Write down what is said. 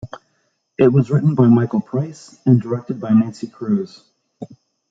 It was written by Michael Price and directed by Nancy Kruse.